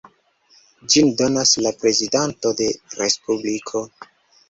Ĝin donas la prezidanto de respubliko.